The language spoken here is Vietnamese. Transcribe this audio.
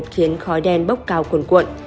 khiến khói đen bốc cao cuồn cuộn